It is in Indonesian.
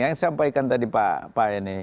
yang saya sampaikan tadi pak ini